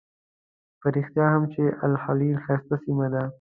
په رښتیا هم چې الخلیل ښایسته سیمه ده.